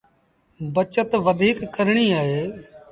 بچت وڌيٚڪ ڪرڻيٚ اهي